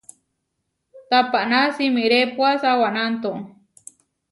Tapaná simirépua sawanánto?